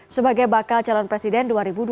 sebagai bakal calon presiden dua ribu dua puluh